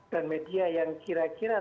dan media yang kira kira